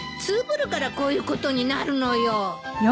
ツウぶるからこういうことになるのよ。